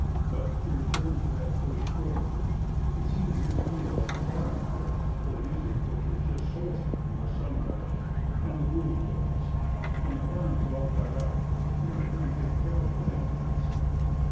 But to return to that first Fourth it seemed a good deal like a Farnham Fourth, for the music which was just soul stirrin' was sung by them and the Gould boys. When the Farnhams all got out, it made a pretty big crowd for them days.